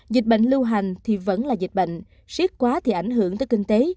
dịch bệnh lưu hành thì vẫn là dịch bệnh siết quá thì ảnh hưởng tới kinh tế